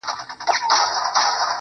• پرېږده چي نور په سره ناسور بدل سي.